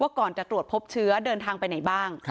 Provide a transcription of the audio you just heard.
ก่อนจะตรวจพบเชื้อเดินทางไปไหนบ้าง